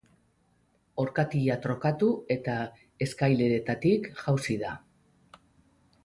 Orkatila trokatu eta eskaileretatik jausi da.